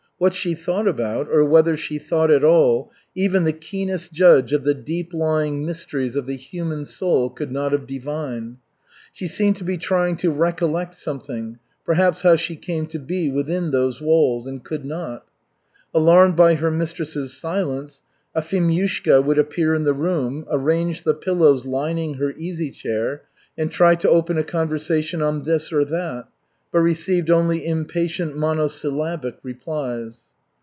What she thought about or whether she thought at all, even the keenest judge of the deep lying mysteries of the human soul could not have divined. She seemed to be trying to recollect something, perhaps how she came to be within those walls, and could not. Alarmed by her mistress's silence, Afimyushka would appear in the room, arrange the pillows lining her easy chair, and try to open a conversation on this or that, but received only impatient monosyllabic replies.